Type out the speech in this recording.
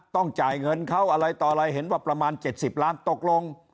ต้องจ่ายเงินเขาอะไรต่ออะไรเห็นว่าประมาณ๗๐ล้านตกลง